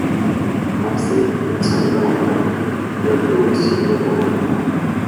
Ramsey, Nelson et Valentin veulent eux aussi les accompagner.